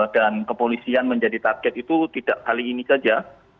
dan kepolisian menjadi target itu tidak kali ini saja